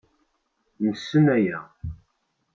Nessen aya.